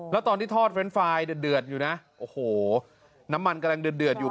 แล้วตอนที่ทอดเฟรนด์ไฟล์เดือดอยู่นะโอ้โหน้ำมันกำลังเดือดอยู่